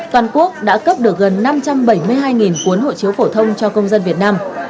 toàn quốc đã cấp được gần năm trăm bảy mươi hai cuốn hộ chiếu phổ thông cho công dân việt nam